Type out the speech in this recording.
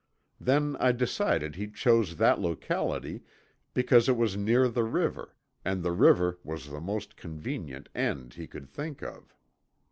Then I decided he chose that locality because it was near the river and the river was the most convenient end he could think of.